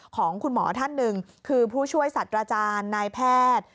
ของคุณหมอท่านหนึ่งคือผู้ช่วยสัตว์อาจารย์นายแพทย์